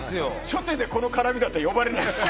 初手でこの絡みだと呼ばれないよ！